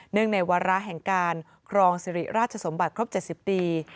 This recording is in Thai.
ในวาระแห่งการครองสิริราชสมบัติครบ๗๐ปี